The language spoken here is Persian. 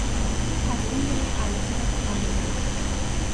او تصمیم گرفت عروسی را بهم بزند.